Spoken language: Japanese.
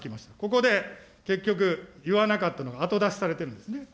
ここで結局、言わなかった、後出しされてるんですね。